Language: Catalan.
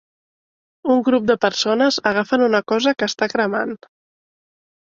Un grup de persones agafen una cosa que està cremant.